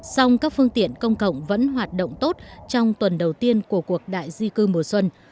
song các phương tiện công cộng vẫn hoạt động tốt trong tuần đầu tiên của cuộc đại di cư mùa xuân